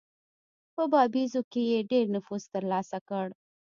په باییزو کې یې ډېر نفوذ ترلاسه کړ.